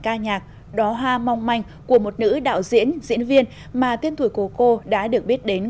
ca nhạc đó hoa mong manh của một nữ đạo diễn diễn viên mà tiên tuổi của cô đã được biết đến